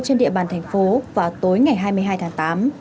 trên địa bàn thành phố vào tối ngày hai mươi hai tháng tám